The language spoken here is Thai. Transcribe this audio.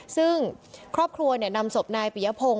ซึ่งครอบครัวนำศพนายปิยพงศ